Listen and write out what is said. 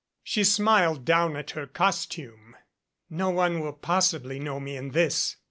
She smiled down at her costume. "No one will possibly know me in this.